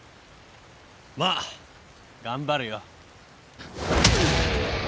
まあ頑張るよ。